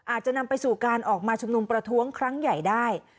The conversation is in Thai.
อาจจะนำไปสู่การออกมาชุมนุมประท้วงครั้งใหญ่ได้